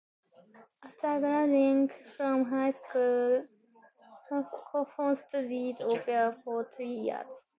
After graduating from high school, Khan studied opera for three years.